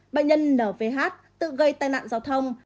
bệnh nhân nở vh tự gây tai nạn giao thông